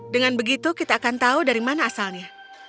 dengan begitu kita akan tahu dari mana asalnya